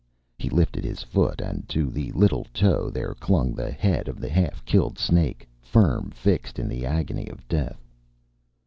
He lifted his foot, and to the little toe there clung the head of the half killed snake, firm fixed in the agony of death.